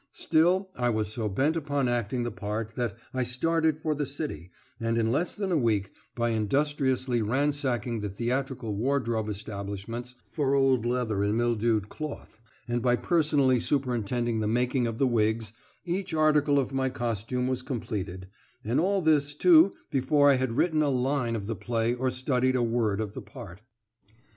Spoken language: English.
Still I was so bent upon acting the part that I started for the city, and in less than a week, by industriously ransacking the theatrical wardrobe establishments for old leather and mildewed cloth and by personally superintending the making of the wigs, each article of my costume was completed; and all this, too, before I had written a line of the play or studied a word of the part.